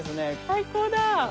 最高だ！